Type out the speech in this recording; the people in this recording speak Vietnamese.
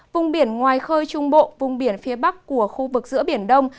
vùng biển ngoài khơi trung bộ vùng biển phía bắc của khu vực giữa biển đông